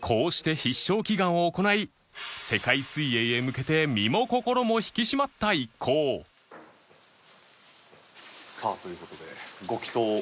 こうして必勝祈願を行い世界水泳へ向けて身も心も引き締まった一行さあという事で。